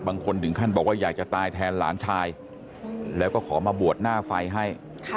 บางคนถึงขั้นบอกว่าอยากจะตายแทนหลานชายแล้วก็ขอมาบวชหน้าไฟให้